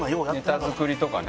ネタ作りとかね。